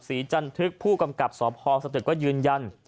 จันทึกผู้กำกับสพสตึกก็ยืนยัน